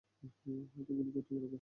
হয়তো গুলি করতে পারবো।